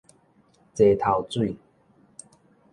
齊頭水